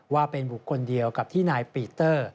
ว่าเป็นบุคคลเดียวกับที่นายปีเตอร์